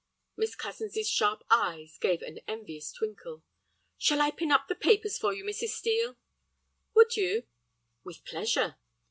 Miss Cozens's sharp eyes gave an envious twinkle. "Shall I pin up the papers for you, Mrs. Steel?" "Would you?" "With pleasure."